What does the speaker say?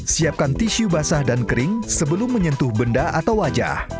siapkan tisu basah dan kering sebelum menyentuh benda atau wajah